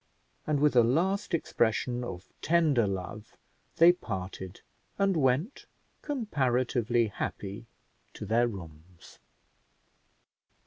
and with a last expression of tender love they parted, and went comparatively happy to their rooms.